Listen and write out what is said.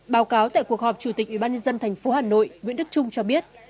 báo cáo tại cuộc họp chủ tịch ubnd tp hà nội nguyễn đức trung cho biết